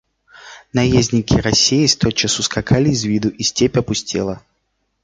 Наездники, рассеясь, тотчас ускакали из виду, и степь опустела.